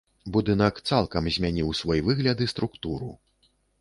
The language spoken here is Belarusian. Будынак цалкам змяніў свой выгляд і структуру.